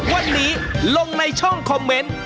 วันนี้ลงในช่องคอมเมนต์